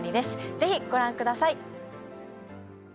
ぜひご覧ください